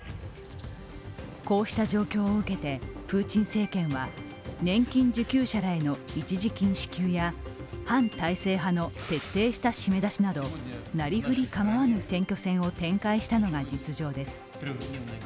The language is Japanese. こうした状況を受けて、プーチン政権は年金受給者らへの、一時金支給や反体制派の徹底した締め出しなどなりふり構わぬ選挙戦を展開したのが実情です。